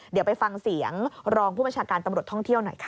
เดี๋ยวไปฟังเสียงรองผู้บัญชาการตำรวจท่องเที่ยวหน่อยค่ะ